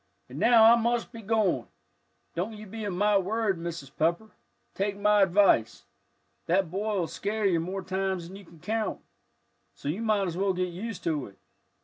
"And now I must be a goin'. Don't you be a mite worried, Mrs. Pepper, take my advice; that boy'll scare you more times than you can count. So you might as well get used to it.